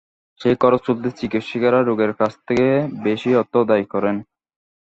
সেই খরচ তুলতে চিকিৎসকেরা রোগীর কাছ থেকে বেশি অর্থ আদায় করেন।